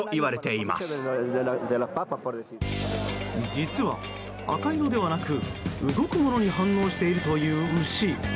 実は赤色ではなく、動くものに反応しているという牛。